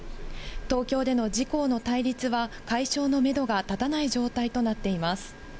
東京での自公の対立は、解消のメドが立たない状況となっています。